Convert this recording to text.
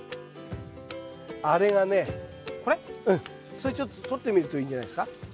それちょっととってみるといいんじゃないですか？